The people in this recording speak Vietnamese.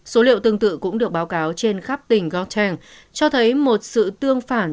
số liệu tương tự cũng được báo cáo trên khắp tỉnh gorten cho thấy một sự tương phản